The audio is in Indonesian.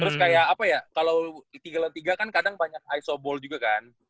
terus kayak apa ya kalau tiga dan tiga kan kadang banyak isoball juga kan